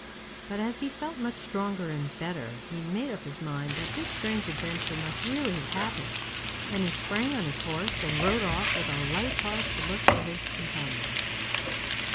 But as he felt much stronger and better he made up his mind that this strange adventure must really have happened, and he sprang on his horse and rode off with a light heart to look for his companions.